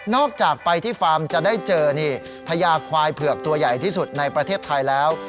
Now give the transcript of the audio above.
จากไปที่ฟาร์มจะได้เจอนี่พญาควายเผือกตัวใหญ่ที่สุดในประเทศไทยแล้ว